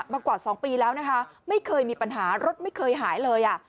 มากว่า๒ปีแล้วนะคะไม่เคยมีปัญหารถไม่เคยหายเลยอ่ะ